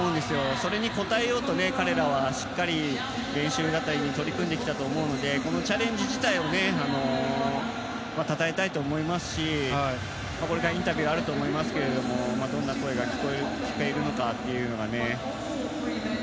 それに応えようと彼らはしっかり練習だったりに取り組んできたと思うのでこのチャレンジ自体をたたえたいと思いますしこれからインタビューあると思いますがどんな声が聞けるのかというのがね。